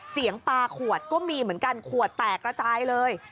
เสียงปลาขวดก็มีเหมือนกันขวดแตกระจายเลย